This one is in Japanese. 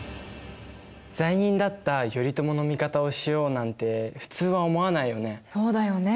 罪人だった頼朝の味方をしようなんて普通は思わないよね。